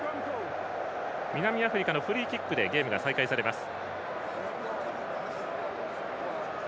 南アフリカのフリーキックでゲームが再開されます。